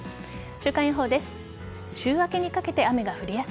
週間予報です。